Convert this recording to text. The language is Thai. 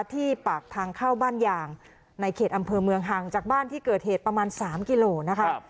ที่ปากทางเข้าบ้านยางในเขตอำเภอเมืองห่างจากบ้านที่เกิดเหตุประมาณ๓กิโลนะคะ